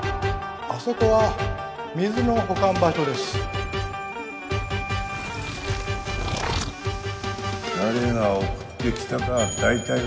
あそこは水の保管場所です誰が送って来たかは